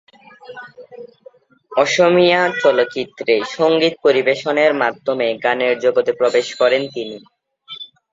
অসমীয়া চলচ্চিত্রে সঙ্গীত পরিবেশনের মাধ্যমে গানের জগতে প্রবেশ করেন তিনি।